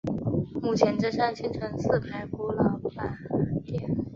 目前镇上幸存四排古老板店。